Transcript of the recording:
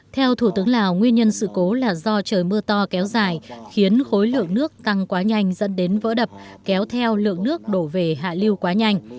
theo thủ tướng lào nguyên nhân sự cố là do trời mưa to kéo dài khiến khối lượng nước tăng quá nhanh dẫn đến vỡ đập kéo theo lượng nước đổ về hạ lưu quá nhanh